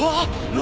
何？